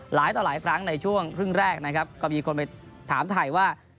หลายต่อหลายครั้งในช่วงครึ่งแรกนะครับก็มีคนไปถามถ่ายว่า